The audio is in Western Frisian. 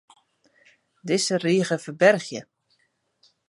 Dizze rige ferbergje.